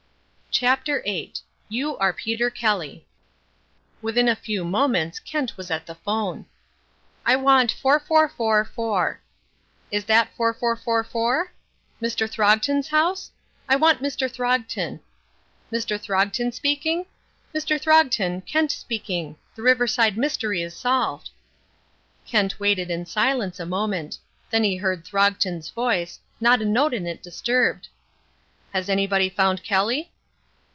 CHAPTER VIII YOU ARE PETER KELLY Within a few moments Kent was at the phone. "I want four, four, four, four. Is that four, four, four, four? Mr. Throgton's house? I want Mr. Throgton. Mr. Throgton speaking? Mr. Throgton, Kent speaking. The Riverside mystery is solved." Kent waited in silence a moment. Then he heard Throgton's voice not a note in it disturbed: "Has anybody found Kelly?"